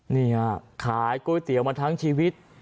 นี่ฮะขายก๋วยเตี๋ยวมาทั้งชีวิต